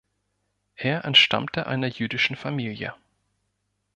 Er entstammte einer jüdischen Familie.